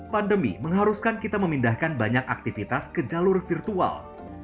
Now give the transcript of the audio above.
pandemi mengharuskan kita memindahkan banyak aktivitas ke jalur virtual